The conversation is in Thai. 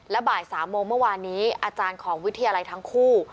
และบ่าย๓โมงเมื่อวานนี้อาจารย์ของวิทยาลัยทั้งคู่